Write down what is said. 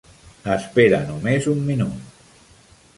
Espera només un minut.